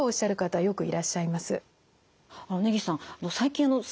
はい。